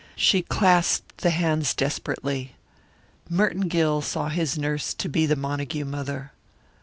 She clasped the hands desperately. Merton Gill saw his nurse to be the Montague mother.